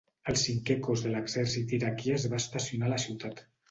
El cinquè cos de l'exèrcit iraquià es va estacionar a la ciutat.